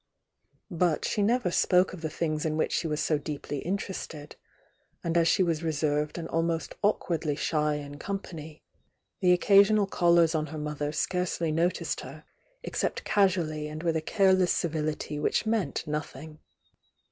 But she never spoke of the things m which she was so deeply interested, and as she was reserved and ahnost awkwardly shy in com pany, the occasional callers on her mother scarce ly noticed her, except casually and with a careless civihty which meant nothing.